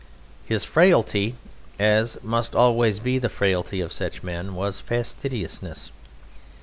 His frailty, as must always be the frailty of such men, was fastidiousness.